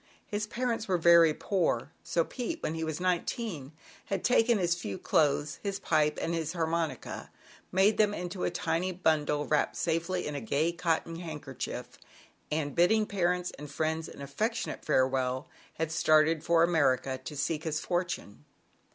His parents were very poor, so Pete, when he was nineteen, had taken his few clothes, his pipe and his harmonica, made them up into a tidy bundle wrapped safely in a gay cotton handkerchief, and bidding parents and . r 11 1 friends an affectionate farewell, had started for America to seek his fortune.